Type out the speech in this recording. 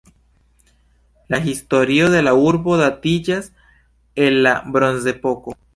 La historio de la urbo datiĝas el la Bronzepoko.